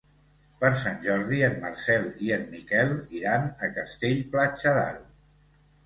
Per Sant Jordi en Marcel i en Miquel iran a Castell-Platja d'Aro.